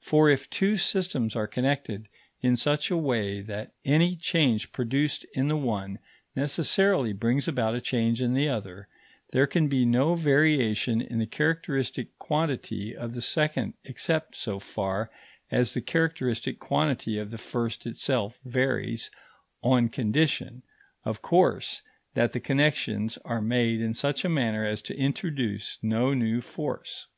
For if two systems are connected in such a way that any change produced in the one necessarily brings about a change in the other, there can be no variation in the characteristic quantity of the second except so far as the characteristic quantity of the first itself varies on condition, of course, that the connexions are made in such a manner as to introduce no new force.